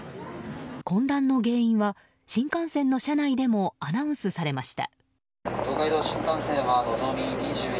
混乱の原因は、新幹線の車内でもアナウンスされました。